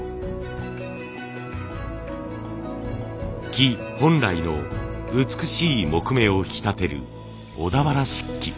木本来の美しい木目を引き立てる小田原漆器。